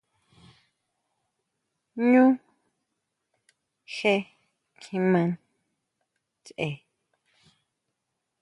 ¿ʼÑu sje kjimá ʼnsje?